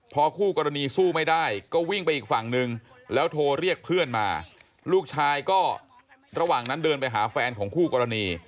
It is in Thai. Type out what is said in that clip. พอคู่กรณีสู้ไม่ได้ก็วิ่งไปอีกฝั่งนึงแล้วโทรเรียกเพื่อนมาลูกชายก็ระหว่างนั้นเดินไปหาแฟนของคู่กรณี